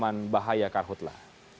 ketaman bahaya karhutla